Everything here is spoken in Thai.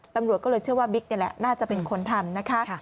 ตำรวจก็เลยเชื่อว่าบิ๊กนี่แหละน่าจะเป็นคนทำนะคะ